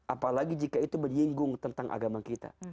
apalagi jika itu menyinggung tentang agama kita